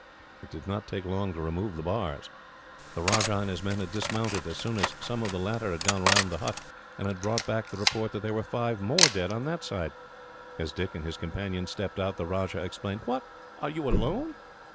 It did not take long to remove the bars. The Rajah and his men had dismounted, as soon as some of the latter had gone round the hut, and had brought back the report that there were five more dead on that side. As Dick and his companion stepped out, the Rajah exclaimed: "What, are you alone?"